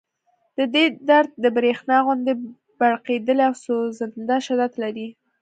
د دې درد د برېښنا غوندې پړقېدلی او سوځنده شدت لري